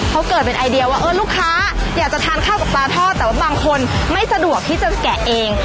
เขาเกิดเป็นไอเดียว่าเออลูกค้าอยากจะทานข้าวกับปลาทอดแต่ว่าบางคนไม่สะดวกที่จะแกะเอง